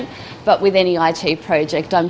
tapi dengan proyek it